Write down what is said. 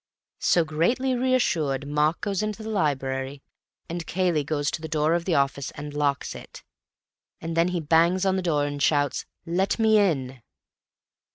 "So, greatly reassured, Mark goes into the library. And Cayley goes to the door of the office.... and locks it. And then he bangs on the door and shouts, 'Let me in!